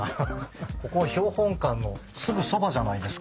ここは標本館のすぐそばじゃないですか。